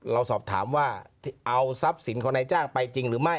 เราสอบถามว่าเอาทรัพย์สินของนายจ้างไปจริงหรือไม่